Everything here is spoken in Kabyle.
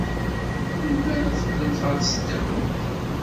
Melmi ara teqqlemt ɣer tesdawit?